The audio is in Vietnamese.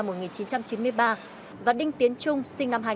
trong năm một nghìn chín trăm chín mươi ba văn đinh tiến trung sinh năm hai nghìn tám